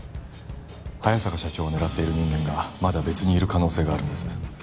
早坂社長を狙っている人間がまだ別にいる可能性があります